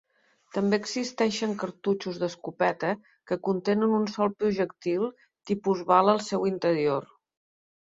També existeixen cartutxos d'escopeta que contenen un sol projectil tipus bala al seu interior.